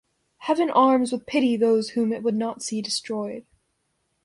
Heaven arms with pity those whom it would not see destroyed.